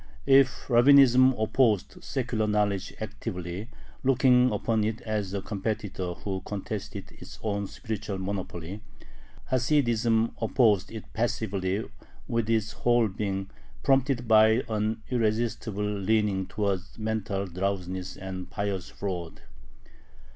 If Rabbinism opposed secular knowledge actively, looking upon it as a competitor who contested its own spiritual monopoly, Hasidism opposed it passively, with its whole being, prompted by an irresistible leaning towards mental drowsiness and "pious fraud."